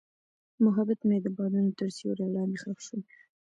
محبت مې د بادونو تر سیوري لاندې ښخ شو.